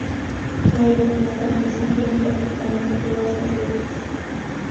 La ironía está presente en prácticamente todas las letras.